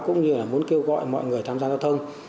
cũng như là muốn kêu gọi mọi người tham gia giao thông